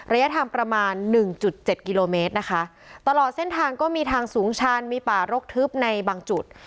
ระยะทางประมาณหนึ่งจุดเจ็ดกิโลเมตรนะคะตลอดเส้นทางก็มีทางสูงชันมีป่ารกทึบในบางจุด